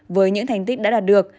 với những thành tích đã đạt được